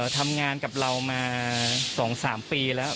ทำงานกับเรามา๒๓ปีแล้ว